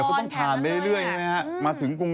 พี่เพิ่งแบบเริ่มมาระยะหนึ่งเอง